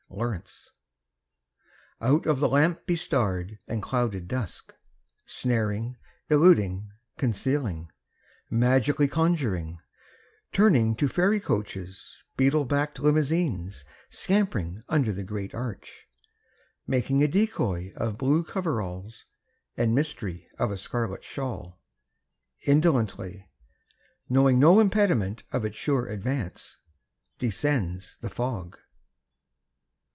THE FOG Out of the lamp bestarred and clouded dusk Snaring, illuding, concealing, Magically conjuring Turning to fairy coaches Beetle backed limousines Scampering under the great Arch Making a decoy of blue overalls And mystery of a scarlet shawl Indolently Knowing no impediment of its sure advance Descends the fog.